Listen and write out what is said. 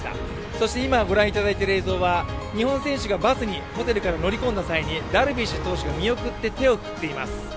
そして今ご覧いただいている映像は日本選手がバスにホテルから乗り込んだ際にダルビッシュ投手が見送って手を振っています。